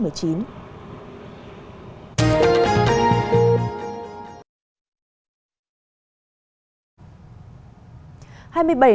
hai mươi bảy nước thành viên liên minh châu âu có kế hoạch